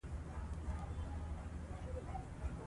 هغه مهال چې پاکې اوبه وکارول شي، ساري ناروغۍ نه خپرېږي.